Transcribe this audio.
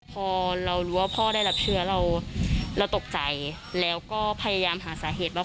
พอเรารู้ว่าพ่อได้รับเชื้อเราตกใจแล้วก็พยายามหาสาเหตุว่า